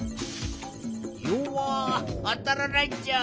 よわっあたらないっちゃ。